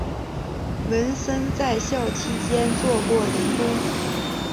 文森在校期间做过零工。